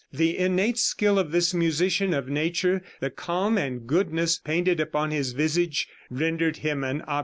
The innate skill of this musician of nature, the calm and goodness painted upon his visage, rendered him an object of general interest."